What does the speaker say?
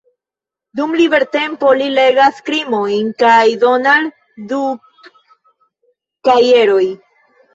Dum libertempo li legas krimojn kaj Donald-Duck-kajeroj.